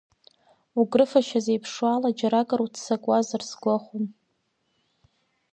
Укрыфашьа зеиԥшроу ала џьаракыр уццакуазар сгәахәын.